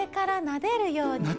なでるように？